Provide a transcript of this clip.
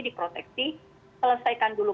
diproteksi selesaikan dulu